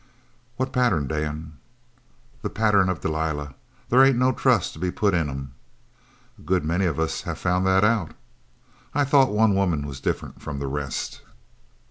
"What pattern, Dan?" "The pattern of Delilah! They ain't no trust to be put in 'em?" "A good many of us have found that out." "I thought one woman was different from the rest."